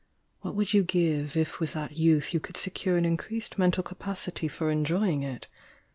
What would you give, if with that youth you could secure an increased mental capacity for enjoying it?